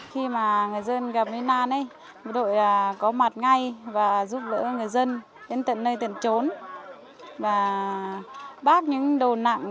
khi mà người dân gặp nguyên an ấy đội có mặt ngay và giúp đỡ người dân đến tận nơi tận trốn